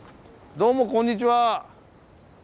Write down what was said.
どうもこんにちは！